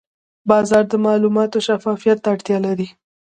بازار د معلوماتو شفافیت ته اړتیا لري.